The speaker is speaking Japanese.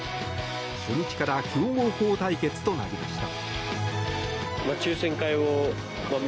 初日から強豪校対決となりました。